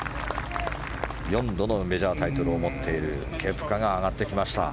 ４度のメジャータイトルを持っているケプカが上がってきました。